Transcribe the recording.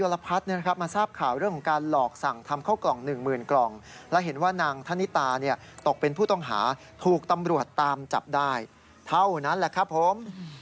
และเห็นว่านางท่านิตาตกเป็นผู้ต้องหาถูกตำรวจตามจับได้เท่านั้นแหละครับผม